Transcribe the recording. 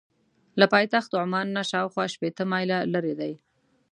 له پایتخت عمان نه شاخوا شپېته مایله لرې ده.